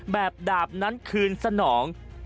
แบบดาบนั้นคืนสนอง